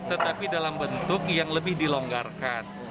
tetapi dalam bentuk yang lebih dilonggarkan